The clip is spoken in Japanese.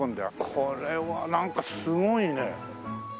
これはなんかすごいね。